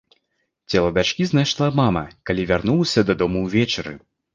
Цела дачкі знайшла мама, калі вярнулася дадому ўвечары.